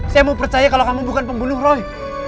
saya mau percaya kalau kamu bukan pembunuh roy